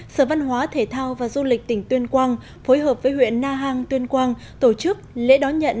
sở văn hóa thể thao và du lịch tỉnh tuyên quang phối hợp với huyện na hàng tuyên quang tổ chức lễ đón nhận